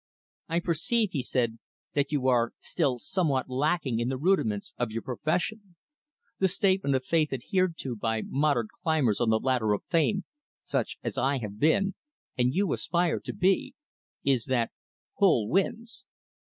"I perceive," he said, "that you are still somewhat lacking in the rudiments of your profession. The statement of faith adhered to by modern climbers on the ladder of fame such as I have been, and you aspire to be is that 'Pull' wins.